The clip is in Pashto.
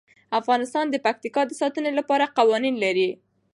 افغانستان د پکتیکا د ساتنې لپاره قوانین لري.